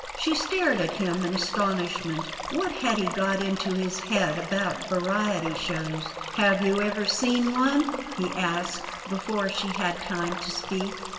She stared at him in astonishment. What had he got into his head about variety shows? "Have you ever seen one?" he asked before she had time to speak.